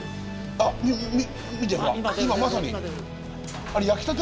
あっみ見て！